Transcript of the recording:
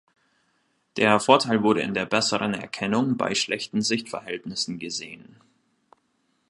Der Vorteil wurde in der besseren Erkennung bei schlechten Sichtverhältnissen gesehen.